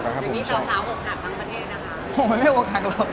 อย่างนี้สาวอกหักทั้งประเทศนะคะ